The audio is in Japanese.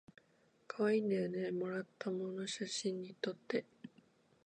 かわいいんだよねもらったもの写真にとって